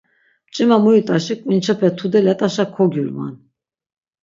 Mç̆ima muyit̆aşi k̆vinçepe tude, let̆aşa kogyulvan.